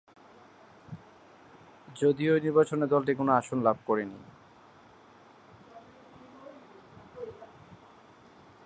যদিও এই নির্বাচনে দলটি কোন আসন লাভ করেনি।